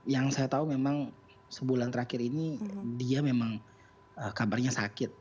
yang saya tahu memang sebulan terakhir ini dia memang kabarnya sakit